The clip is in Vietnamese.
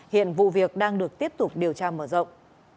hiện vụ việc đang được tiếp tục điều tra mở rộng